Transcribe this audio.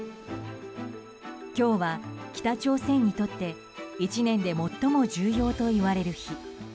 今日は北朝鮮にとって１年で最も重要といわれる日。